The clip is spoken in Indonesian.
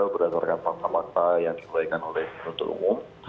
berdasarkan fakta fakta yang diberikan oleh penuntut umum